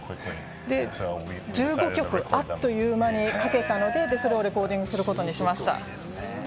１５曲あっという間に書けたので、それをレコーディングすることにしました。